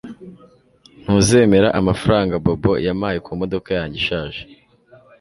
Ntuzemera amafaranga Bobo yampaye kumodoka yanjye ishaje